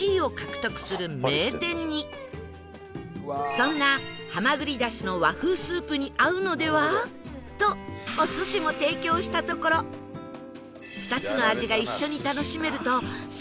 そんなハマグリ出汁の和風スープに合うのでは？とお寿司も提供したところ２つの味が一緒に楽しめると更に大人気に